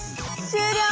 終了！